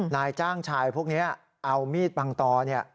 นายจ้างชายพวกนี้เอามีดปังตอเนี่ย